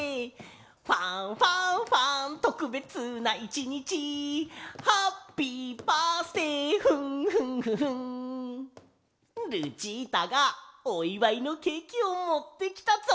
「ファンファンファンとくべつな一日」「ハッピーバースデーフンフンフフン」ルチータがおいわいのケーキをもってきたぞ！